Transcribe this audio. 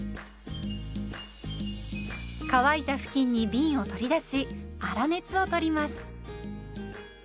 乾いた布巾にびんを取り出し粗熱をとります。